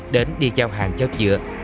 đến đi giao hàng cho dựa